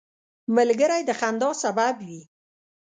ملګری د خندا سبب وي